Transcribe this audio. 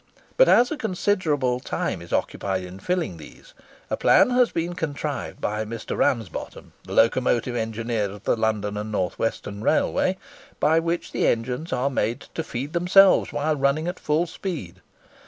But as a considerable time is occupied in filling these, a plan has been contrived by Mr. Ramsbottom, the Locomotive Engineer of the London and North Western Railway, by which the engines are made to feed themselves while running at full speed!